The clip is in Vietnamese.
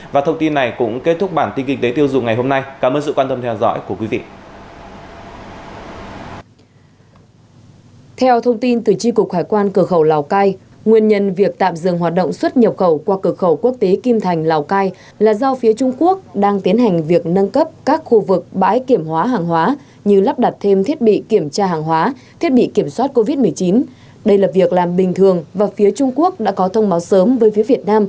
và thông tin này cũng kết thúc bản tin kinh tế tiêu dụng ngày hôm nay cảm ơn sự quan tâm theo dõi của quý vị